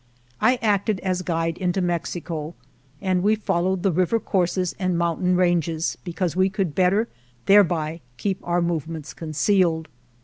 I acted as guide into Mexico, and we fol lowed the river courses and mountain ranges because we could better thereby keep our movements concealed.